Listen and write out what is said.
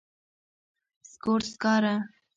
سکور، سکارۀ